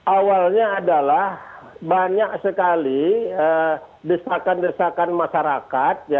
awalnya adalah banyak sekali desakan desakan masyarakat